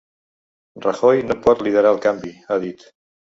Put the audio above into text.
Rajoy no pot liderar el canvi, ha dit.